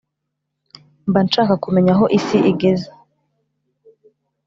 Mba nshaka kumenya aho isi igeze